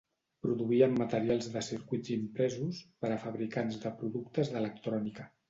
Produïen materials de circuits impresos per a fabricants de productes d'electrònica.